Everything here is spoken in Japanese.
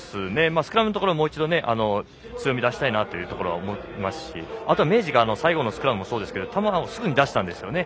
スクラムのところはもう一度強みを出したいなと思いますしあとは明治が最後のスクラムもそうですが球をすぐに出したので。